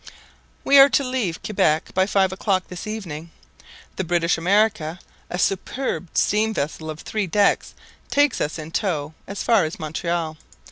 We are to leave Quebec by five o'clock this evening. The British America, a superb steam vessel of three decks, takes us in tow as far as Montreal.